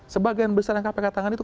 sebagian besar yang kpk tangan itu